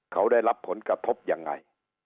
เขาได้รับผลกระทบยังไง